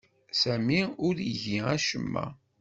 Sami ur igi acemma.